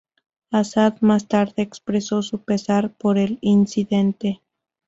Assad más tarde expresó su pesar por el incidente.